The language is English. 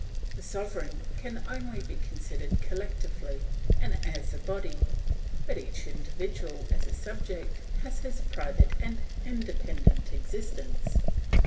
The sovereign can only be considered collectively and as a body, but each individual, as a subject, has his private and independent existence.